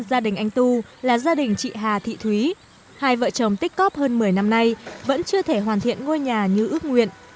gia đình anh tu là gia đình chị hà thị thúy hai vợ chồng tích cóp hơn một mươi năm nay vẫn chưa thể hoàn thiện ngôi nhà như ước nguyện